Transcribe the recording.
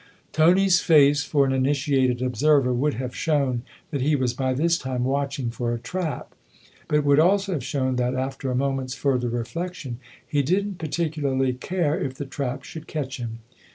Tony's face, for an initiated observer, would have shown that he was by this time watching for a trap ; but it would also have shown that, after a moment's further reflection, he didn't particularly care if the trap should catch him.